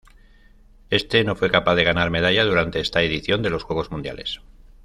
Este, no fue capaz de ganar medalla durante esta edición de los Juegos Mundiales